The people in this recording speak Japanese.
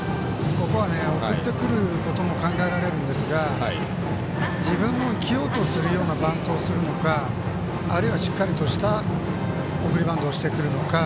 ここは送ってくることも考えられるんですが自分も生きようとするようなバントをするのかあるいはしっかりとした送りバントをしてくるのか。